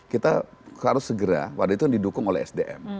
kita harus segera pada itu didukung oleh sdm